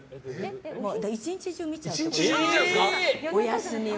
１日中見ちゃうの、お休みは。